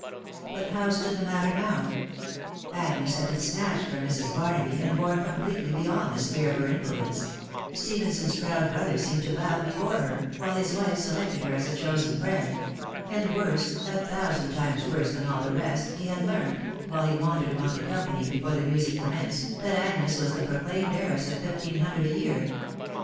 But how stood the matter now ? Agnes had been snatched from Mrs. Barnaby, and borne completely beyond the sphere of her influence ; Stephenson's proud brother seemed to bow before her, while his wife selected her as a chosen friend ; and worse, a thousand times worse than all the rest, he had learnt, while he wandered among the company before the music commenced, that Agnes was the proclaimed heiress of fifteen hundred a year.